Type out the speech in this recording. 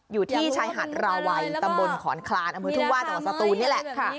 อยู่ที่ชายหาดราวัยตำบลขอนคลานอำเภอทุ่งว่าจังหวัดสตูนนี่แหละ